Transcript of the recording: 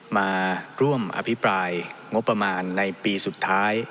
มาร่วมอภิปรายงบประมาณในปีสุดท้าย